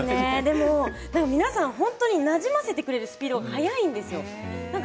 皆さん本当になじませてくれるスピードが速いんです。